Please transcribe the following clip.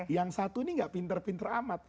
yang satu ini nggak pinter pinter amat